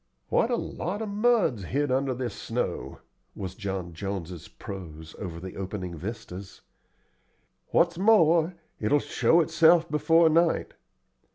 "What a lot of mud's hid under this snow!" was John Jones's prose over the opening vistas. "What's more, it will show itself before night.